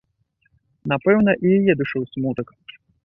Напэўна, і яе душыў смутак.